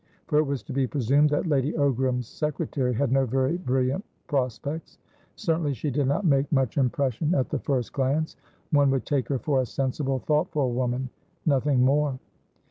For it was to be presumed that Lady Ogram's secretary had no very brilliant prospects. Certainly she did not make much impression at the first glance; one would take her for a sensible, thoughtful woman, nothing more.